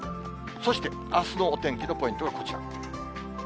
そしてあすのお天気のポイントがこちら。